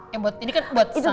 yang buat ini kan buat